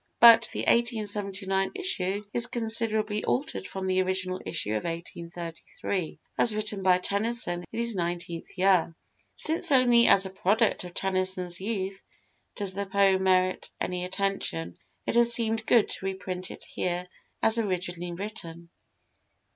But the 1879 issue is considerably altered from the original issue of 1833, as written by Tennyson in his nineteenth year. Since only as a product of Tennyson's youth does the poem merit any attention, it has seemed good to reprint it here as originally written.